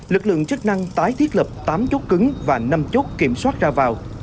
lực lượng chức năng tái thiết lập tám chốt cứng và năm chốt kiểm soát ra vào